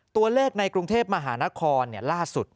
ตัวเลขในกรุงเทพมหานครล่าสุด